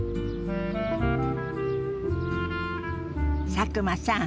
佐久間さん